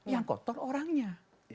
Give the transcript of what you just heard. yang kotor orangnya